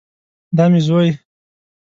دا مې زوی